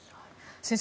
先生